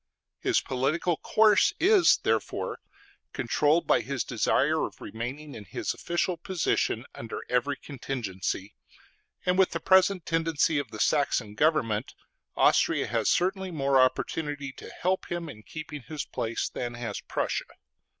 His political course is therefore controlled by his desire of remaining in his official position under every contingency; and with the present tendency of the Saxon government, Austria has certainly more opportunity to help him in keeping his place than has Prussia.